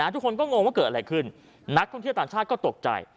ทุกคนก็งงว่าเกิดอะไรขึ้นนักท่องเที่ยวต่างชาติก็ตกใจ